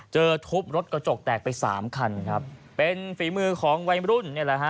ทุบรถกระจกแตกไปสามคันครับเป็นฝีมือของวัยรุ่นนี่แหละฮะ